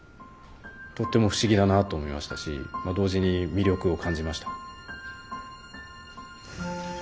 とっても不思議だなと思いましたしまあ同時に魅力を感じました。